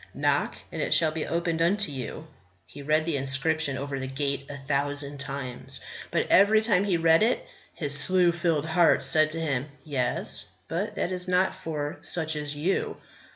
"Knock, and it shall be opened unto you." He read the inscription over the gate a thousand times, but every time he read it his slough filled heart said to him, Yes, but that is not for such as you.